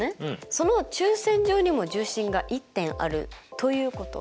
その中線上にも重心が１点あるということは？